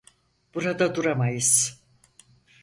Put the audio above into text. Burada duramayız.